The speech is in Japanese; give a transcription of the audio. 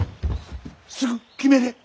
すぐ決めれ。